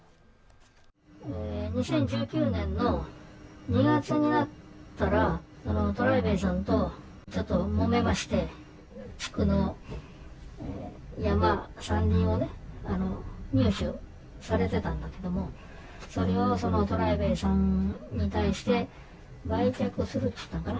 ２０１９年の２月になったら、トライベイさんとちょっともめまして、そこの山、山林をね、入手されてたんだけども、それをトライベイさんに対して、売却するって言ってたんかな。